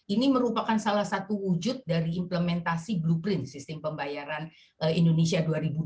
ini merupakan salah satu wujud dari implementasi blueprint sistem pembayaran indonesia dua ribu dua puluh